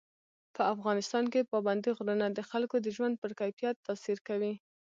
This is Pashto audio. په افغانستان کې پابندی غرونه د خلکو د ژوند په کیفیت تاثیر کوي.